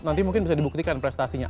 nanti mungkin bisa dibuktikan prestasinya